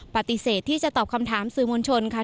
ปฏิเสธที่จะตอบคำถามสื่อมวลชนค่ะ